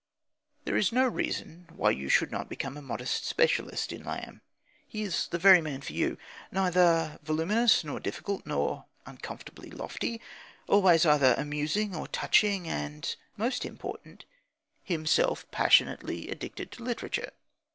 There is no reason why you should not become a modest specialist in Lamb. He is the very man for you; neither voluminous, nor difficult, nor uncomfortably lofty; always either amusing or touching; and most important himself passionately addicted to literature.